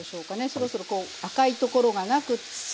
そろそろこう赤いところがなく。